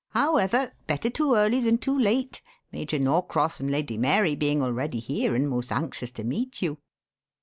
However, better too early than too late Major Norcross and Lady Mary being already here and most anxious to meet you."